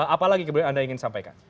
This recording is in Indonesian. apa lagi kemudian anda ingin sampaikan